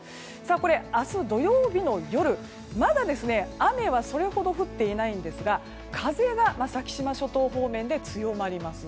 これは明日土曜日の夜まだ雨はそれほど降っていませんが風が先島諸島方面で強まります。